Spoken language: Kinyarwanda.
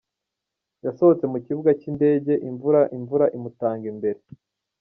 Yasohotse mu kibuga cy’indege imvura imvura imutanga imbere.